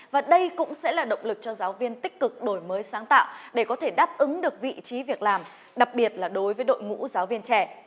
và đây cũng sẽ là động lực cho giáo viên tích cực đổi mới sáng tạo để có thể đáp ứng được vị trí việc làm đặc biệt là đối với đội ngũ giáo viên trẻ